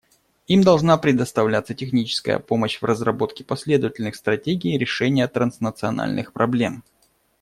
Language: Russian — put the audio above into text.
Им должна предоставляться техническая помощь в разработке последовательных стратегий решения транснациональных проблем.